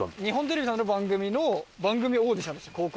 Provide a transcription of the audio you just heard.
日本テレビさんの番組の番組オーディションでした。